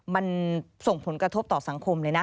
มันส่งผลกระทบต่อสังคมเลยนะ